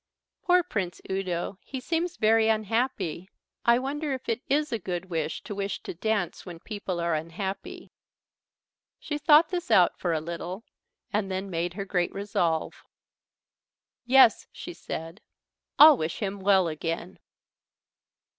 "Poor Prince Udo he seems very unhappy. I wonder if it is a good wish to wish to dance when people are unhappy." She thought this out for a little, and then made her great resolve. "Yes," she said, "I'll wish him well again."